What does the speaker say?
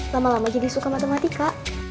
lama lama jadi suka matematika